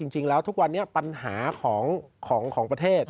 จริงแล้วทุกวันนี้ปัญหาของประเทศ